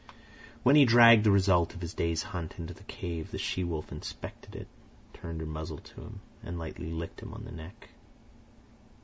When he dragged the result of his day's hunt into the cave, the she wolf inspected it, turned her muzzle to him, and lightly licked him on the neck.